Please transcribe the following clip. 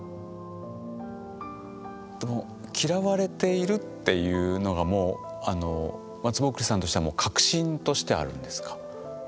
嫌われているっていうのがもうまつぼっくりさんとしてはもう確信としてあるんですか？